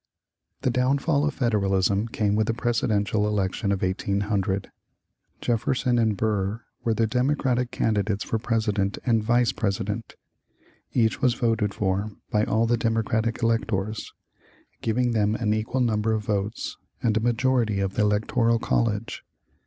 The downfall of Federalism came with the presidential election of 1800. Jefferson and Burr were the Democratic candidates for President and Vice President. Each was voted for by all the Democratic electors, giving them an equal number of votes and a majority of the electoral college.